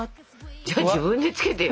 じゃあ自分でつけてよ。